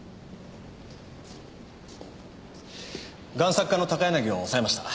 贋作家の高柳を押さえました。